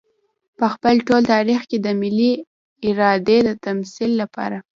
په خپل ټول تاريخ کې د ملي ارادې د تمثيل لپاره.